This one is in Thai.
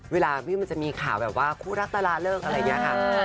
เวลาที่มันจะมีข่าวแบบว่าคู่รักตลาเลิกอะไรอย่างนี้ค่ะ